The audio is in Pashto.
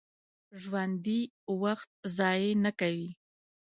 ژوندي وخت ضایع نه کوي